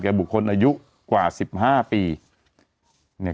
ทั้งกับบุคคลอายุขวาสิบห้าปีเนี่ย